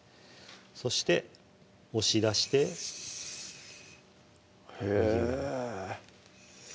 そして押し出してへぇ